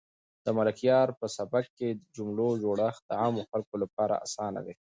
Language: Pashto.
د ملکیار په سبک کې د جملو جوړښت د عامو خلکو لپاره اسان دی.